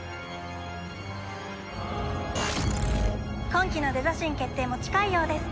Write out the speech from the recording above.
「今期のデザ神決定も近いようです」